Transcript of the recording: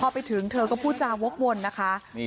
พอไปถึงเธอก็พูดจาวกวนนะคะ